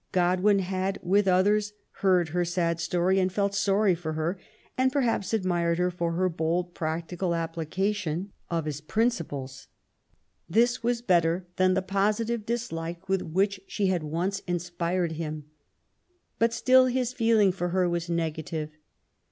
Godwin had, with others, heard her sad story, and felt sorry for her, and perhaps admired her for her bold, practical application of his principles. This was better than the positive dislike with which she had once inspired him. But still his feeling for her was negative.